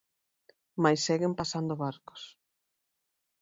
Mais seguen pasando barcos.